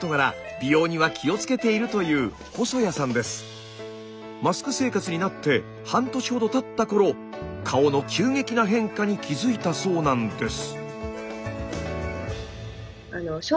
美容には気をつけているというマスク生活になって半年ほどたった頃顔の急激な変化に気付いたそうなんです。